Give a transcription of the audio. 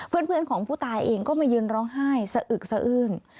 เพื่อนของผู้ตายเองก็มายืนร้องไห้สะอึกสะอื้น